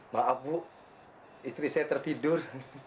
maaf bu istri saya tertidur